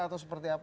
atau seperti apa